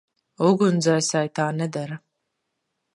Ugunsdzēsēji tā nedara.